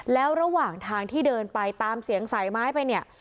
แล้วระหว่างทางที่เดินไปตามเสียงสายไม้ไปเนี่ย